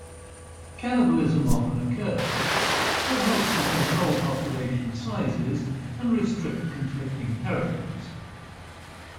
Cannibalism often occurs, but helps to control population sizes and restrict conflicting territories.